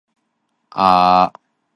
面斥不雅